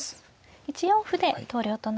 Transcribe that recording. １四歩で投了となりました。